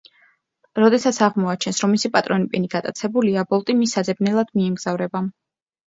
როდესაც აღმოაჩენს, რომ მისი პატრონი პენი გატაცებულია, ბოლტი მის საძებნელად მიემგზავრება.